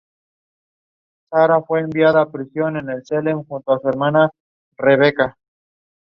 The condition usually resolves once the vitreous hemorrhage has cleared.